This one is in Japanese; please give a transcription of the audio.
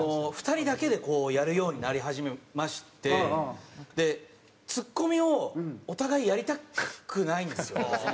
２人だけでこうやるようになり始めましてツッコミをお互いやりたくないんですよ。